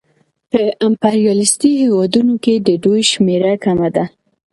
په امپریالیستي هېوادونو کې د دوی شمېره کمه ده